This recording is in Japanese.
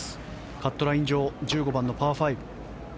カットライン上１５番のパー５。